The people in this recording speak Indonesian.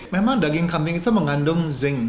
memang daging kambing itu mengandung zinc